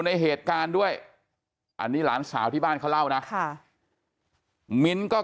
ในเหตุการณ์ด้วยอันนี้หลานสาวที่บ้านเขาเล่านะค่ะมิ้นท์ก็